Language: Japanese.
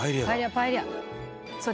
「パエリアだ」